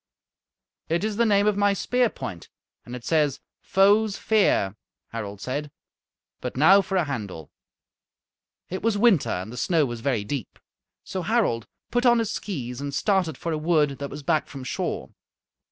"It is the name of my spear point, and it says, 'Foes' fear,'" Harald said. "But now for a handle." It was winter and the snow was very deep. So Harald put on his skees and started for a wood that was back from shore.